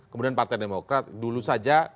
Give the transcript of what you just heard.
kemudian partai demokrat dulu saja